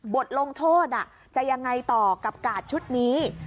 บทลงโทษจะยังไงต่อกับกาดชุดนี้